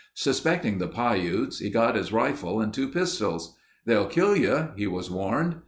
Suspecting the Piutes, he got his rifle and two pistols. "They'll kill you," he was warned.